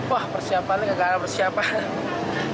wah persiapan gak ada persiapan